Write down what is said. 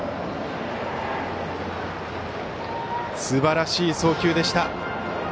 すばらしい送球でした。